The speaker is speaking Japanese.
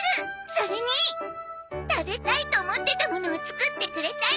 それに食べたいと思ってたものを作ってくれたり。